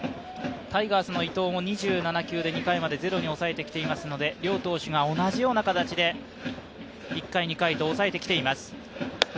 タイガースの伊藤も２７球で２回までゼロに抑えてきていますので両投手が同じような形で１回、２回と抑えてきています。